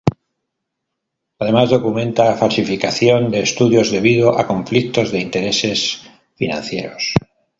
Además documenta falsificación de estudios debido a conflictos de intereses financieros.